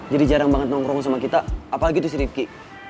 jadi jarang banget nongkrong sama kita apalagi tuh si riffky